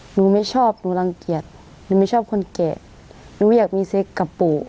หนูไม่ชอบหนูรังเกียจหนูไม่ชอบคนแก่หนูอยากมีเซ็กกับปู่